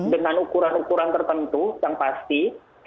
dengan ukuran ukuran tertentu yang pasti